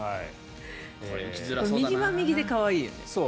右は右で可愛いよね。